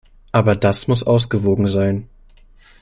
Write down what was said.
Aber das muss ausgewogen sein.